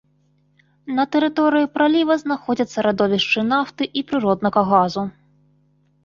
На тэрыторыі праліва знаходзяцца радовішчы нафты і прыроднага газу.